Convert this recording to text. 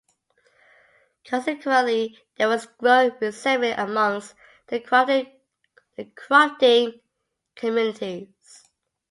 Consequently, there was growing resentment amongst the crofting communities.